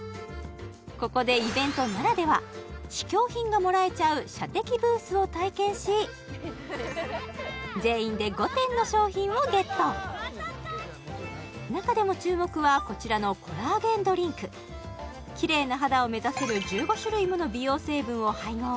ここでイベントならでは試供品がもらえちゃう射的ブースを体験し全員で５点の商品をゲット中でも注目はこちらのコラーゲンドリンクキレイな肌を目指せる１５種類もの美容成分を配合